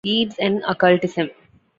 Yeats and Occultism.